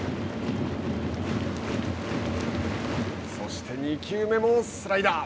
そして２球目もスライダー。